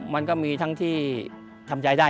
มันก็มีทั้งที่ทำใจได้